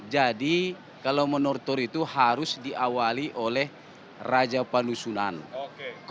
jadi kalau menortor itu harus diawali oleh raja panusunaga